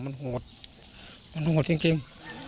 มันโหดมันโหดจริง